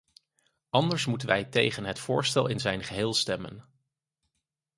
Anders moeten wij tegen het voorstel in zijn geheel stemmen.